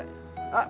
sampai jumpa lagi ho